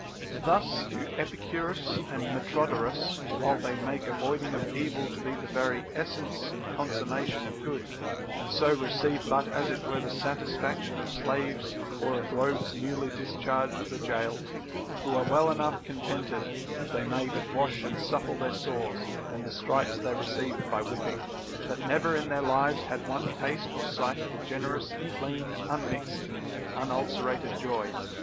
Thus do Epicurus and Metro dorus, while they make avoiding of evil to be the very ACCORDING TO EPICURUS. 169 essence and consummation of good, and so receive but as it were the satisfaction of slaves or of rogues newly dis charged the gaol, who are well enough contented if they may but wash and supple their sores and the stripes they received by whipping, but never in their lives had one taste or sight of a generous, clean, unmixed, and unulcerated joy.